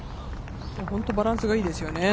本当にバランスがいいですよね。